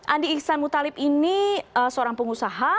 andi ihsan muttalib ini seorang pengusaha